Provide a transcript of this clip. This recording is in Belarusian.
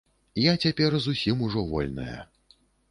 Я цяпер зусім ужо вольная.